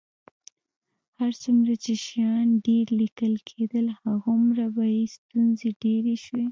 هر څومره چې شیان ډېر لیکل کېدل، همغومره به یې ستونزې ډېرې شوې.